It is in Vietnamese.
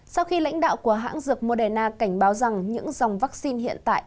sau khi lãnh đạo của hãng dược moderna cảnh báo rằng những dòng vaccine hiện tại